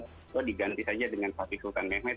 kalau diganti saja dengan posisi sultan mehmed